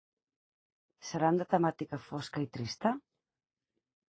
Seran de temàtica fosca i trista?